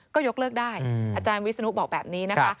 ก็ยกเลิกได้อาจารย์วิศนุบอกแบบนี้นะคะ